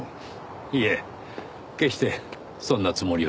いえ決してそんなつもりは。